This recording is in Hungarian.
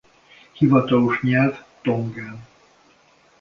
Hivatalos nyelv Tongán.